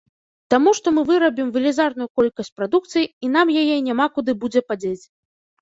Таму што мы вырабім велізарную колькасць прадукцыі і нам яе няма куды будзе падзець.